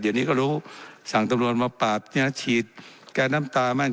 เดี๋ยวนี้ก็รู้สั่งตำรวจมาปราบเนี่ยนะฉีดแก๊สน้ำตามั่น